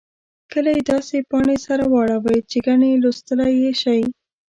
کله یې داسې پاڼې سره واړوئ چې ګنې لوستلای یې شئ.